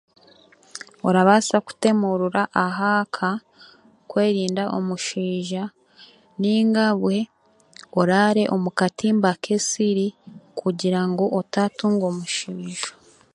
Oraabasa kuteemurura aha ka kwerinda omuswija nainga bwe oraare omu katimba k'ensiri kugira otaatunga omuswaija.